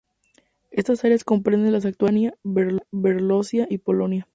Estas áreas comprenden las actuales Lituania, Bielorrusia y Polonia.